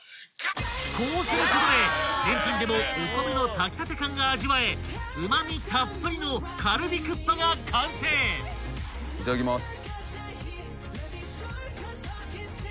［こうすることでレンチンでもお米の炊きたて感が味わえうま味たっぷりの］いただきます。